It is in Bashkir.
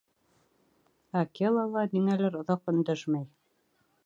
— Акела ла ниңәлер оҙаҡ өндәшмәй.